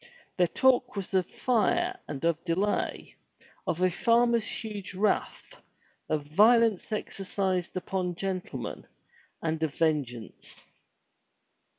Their talk was of fire and of delay, of a farmer's huge wrath, of violence exercised upon gentlemen, and of vengeance.